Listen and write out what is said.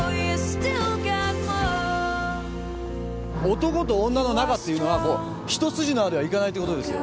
男と女の仲っていうのはこう一筋縄ではいかないってことですよ。